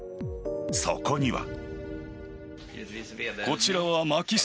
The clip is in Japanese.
そこには。